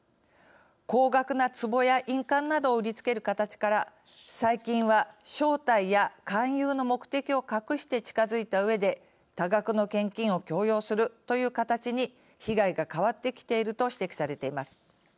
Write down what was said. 高額なつぼや印鑑などを売りつける形から最近は、正体や勧誘の目的を隠して近づいたうえで多額の献金を強要するという形に被害が変わってきていると指摘されています。